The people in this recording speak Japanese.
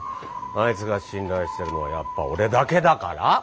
あいつが信頼してるのはやっぱ俺だけだから？